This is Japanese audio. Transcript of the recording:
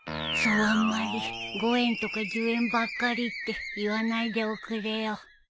そうあんまり「５円とか１０円ばっかり」って言わないでおくれよ。